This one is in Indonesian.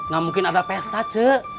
gak mungkin ada pesta cek